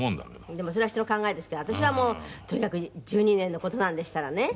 でもそれは人の考えですけど私はもうとにかく１２年の事なんでしたらね